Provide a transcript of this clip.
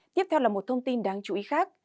tiếp theo là một thông tin đáng chú ý khác